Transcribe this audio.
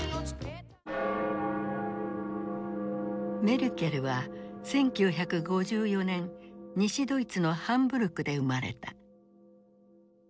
メルケルは１９５４年西ドイツのハンブルクで生まれた。